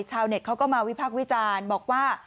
เน็ตเขาก็มาวิพักษ์วิจารณ์บอกว่า